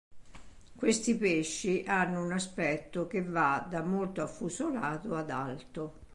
Questi pesci hanno un aspetto che va da molto affusolato ad alto.